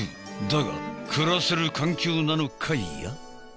だが暮らせる環境なのかいや？